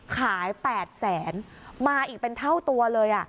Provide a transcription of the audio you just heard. ขาย๘แสนมาอีกเป็นเท่าตัวเลย